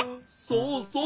そうそう！